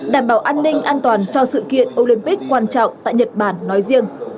đảm bảo an ninh an toàn cho sự kiện olympic quan trọng tại nhật bản nói riêng